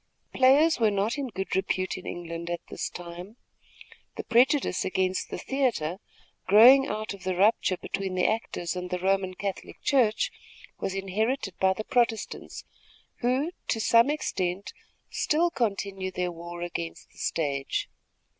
Players were not in good repute in New England at this time. The prejudice against the theatre, growing out of the rupture between the actors and the Roman Catholic Church, was inherited by the Protestants, who, to some extent, still continue their war against the stage.